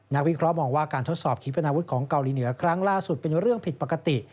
วิเคราะห์มองว่าการทดสอบขีปนาวุธของเกาหลีเหนือครั้งล่าสุดเป็นเรื่องผิดปกติ